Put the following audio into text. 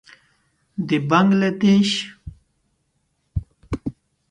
د بنګله دېش.